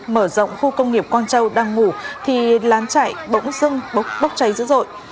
mở rộng khu công nghiệp quang châu đang ngủ thì lán chạy bỗng dưng bốc cháy dữ dội